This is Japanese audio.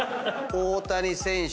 大谷選手。